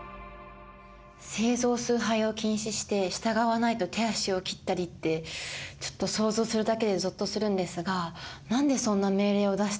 聖像崇拝を禁止して従わないと手足を切ったりってちょっと想像するだけでぞっとするんですが何でそんな命令を出したんでしょうか？